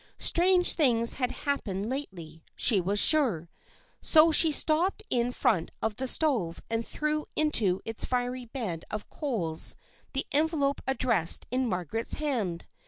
Strange things had hap pened lately, she was sure. So she stopped in front of the stove and threw into its fiery bed of coals the envelope addressed in Margaret's hand.